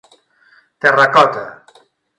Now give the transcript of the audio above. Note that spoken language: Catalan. Terracota